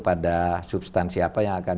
pada substansi apa yang akan